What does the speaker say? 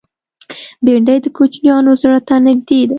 بېنډۍ د کوچنیانو زړه ته نږدې ده